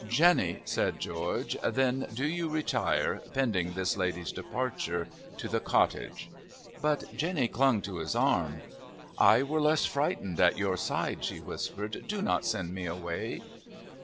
"Jenny," said George, "then do you retire, pending this lady's departure, to the cottage." But Jenny clung to his arm. "I were less frightened at your side," she whispered. "Do not send me away!"